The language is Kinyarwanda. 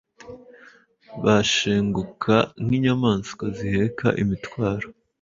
bashenguka nk'inyamaswa ziheka imitwaro,